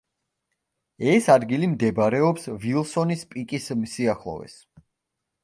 ეს ადგილი მდებარეობს ვილსონის პიკის სიახლოვეს.